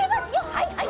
はいはい！